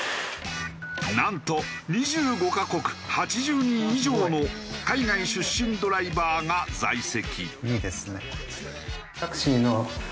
なんと２５カ国８０人以上の海外出身ドライバーが在籍。